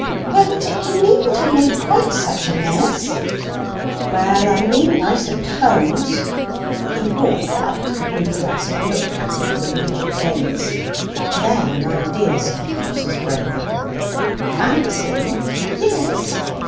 "Well, Dick, you needn't have made quite such a mess." "Well, I needn't, I suppose." He walked up to the blue dress, and looked at it with a rigid gaze. Then an idea seemed to cross his brain. "Fancy." "Yes."